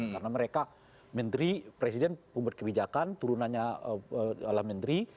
karena mereka menteri presiden pemberkebijakan turunannya adalah menteri